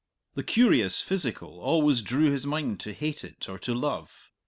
The curious physical always drew his mind to hate it or to love.